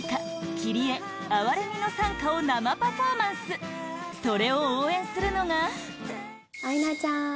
「キリエ・憐れみの讃歌」を生パフォーマンスそれを応援するのが広瀬：アイナちゃん！